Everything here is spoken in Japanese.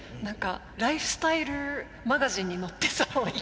ライフスタイルマガジンに載ってそう一見。